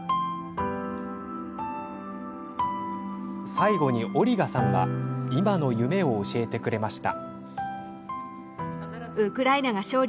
最後に、オリガさんは今の夢を教えてくれました。